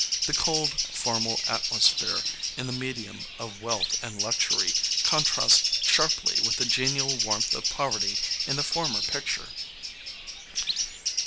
The cold, formal atmos phere in the medium of wealth and luxury contrasts sharply with the genial warmth of poverty in the former picture.